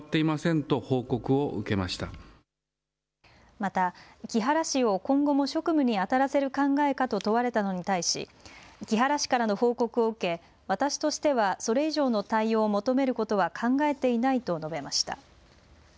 また木原氏を今後も職務にあたらせる考えかと問われたのに対し、木原氏からの報告を受け私としてはそれ以上の対応を求めることは考えていないと述べました。